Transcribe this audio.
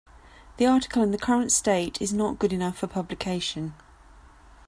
The article in the current state is not good enough for publication.